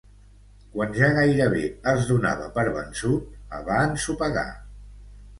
Quan ja gairebé es donava per vençut, la va ensopegar.